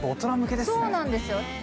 そうなんですよ。